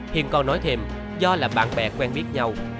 hiền còn nói thêm do là bạn bè quen biết nhau